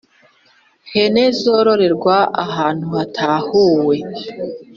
ihene zororerwa ahantu hatahuwe